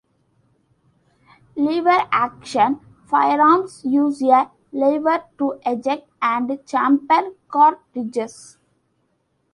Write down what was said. Lever-action firearms use a lever to eject and chamber cartridges.